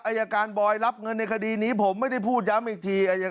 อายการบอยรับเงินในคดีนี้ผมไม่ได้พูดย้ำอีกที